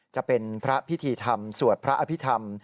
จะเป็นพระพิธีธรรมสวดพระอภิษฐรรม